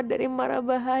dari mara bahaya yang berlaku